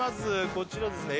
こちらですね